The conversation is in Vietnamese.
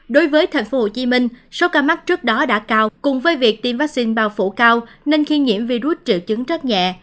đối với tp hcm số ca mắc trước đó đã cao cùng với việc tiêm vaccine bao phủ cao nên khi nhiễm virus triệu chứng rất nhẹ